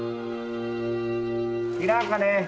いらんかね。